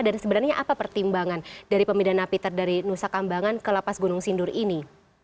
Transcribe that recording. dan sebenarnya apa pertimbangan dari pemindahan narapidana dari nusa kambangan ke lapas gunung sindur ini